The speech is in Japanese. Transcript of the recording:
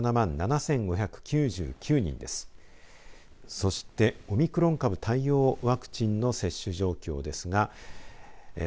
そしてオミクロン株対応ワクチンの接種状況です。